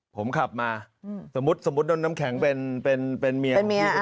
ผมขับมาสมมุติโดนน้ำแข็งเป็นเมีย